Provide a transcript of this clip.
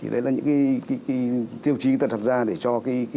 đấy là những tiêu chí thật ra để cho